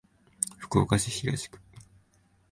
福岡市東区